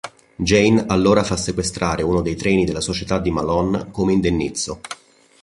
Jane allora fa sequestrare uno dei treni della società di Malone come indennizzo.